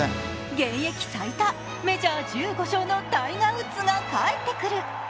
現役最多、メジャー１５勝のタイガー・ウッズが帰ってくる。